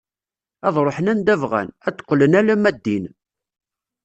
Ad ruḥen anda bɣan, ad d-qqlen alamma d din.